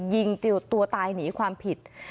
ยิงตัวตายหนีความผิด